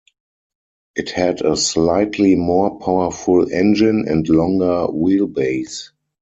It had a slightly more powerful engine and longer wheelbase.